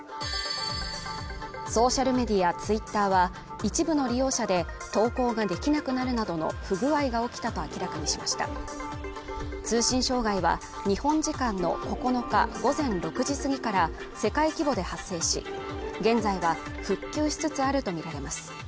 ソーシャルメディアＴｗｉｔｔｅｒは一部の利用者で投稿ができなくなるなどの不具合が起きたと明らかにしました通信障害は日本時間の９日午前６時過ぎから世界規模で発生し現在は復旧しつつあると見られます